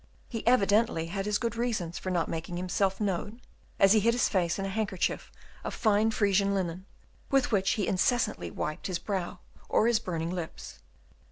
He evidently had his good reasons for not making himself known, as he hid his face in a handkerchief of fine Frisian linen, with which he incessantly wiped his brow or his burning lips.